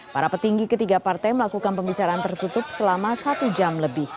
para petinggi ketiga partai melakukan pembicaraan tertutup selama satu jam lebih